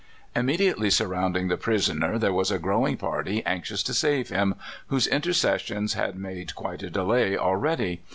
Immediately surrounding the prisoner there was a growing part}^ anxious to save him, whose inter cessions had made quite a delay already.